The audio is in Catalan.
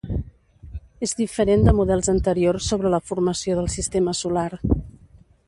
És diferent de models anteriors sobre la formació del sistema solar.